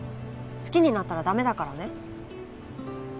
好きになったら駄目だからね。